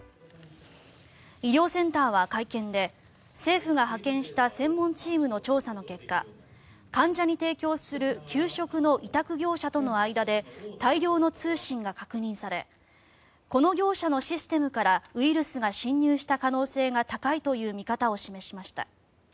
医療センターは会見で政府が派遣した専門チームの調査の結果患者に提供する給食の委託業者との間で大量の通信が確認されこの業者のシステムからウイルスが侵入した可能性が高いという見方を示しました。